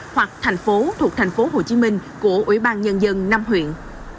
hoặc thành phố thuộc tp hcm của ubnd năm huyện